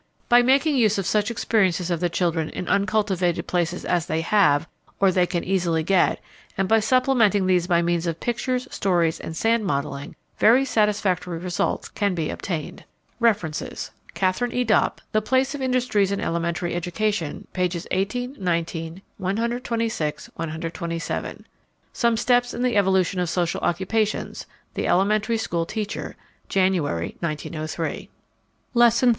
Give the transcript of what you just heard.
By making use of such experiences of the children in uncultivated places as they have or they can easily get, and by supplementing these by means of pictures, stories, and sand modeling, very satisfactory results can be obtained. References: Katharine E. Dopp, The Place of Industries in Elementary Education, pp. 18, 19, 126, 127; "Some Steps in the Evolution of Social Occupations," The Elementary School Teacher, January, 1903. _Lesson III.